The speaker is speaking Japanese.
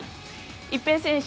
一平選手